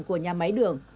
của nhà máy đường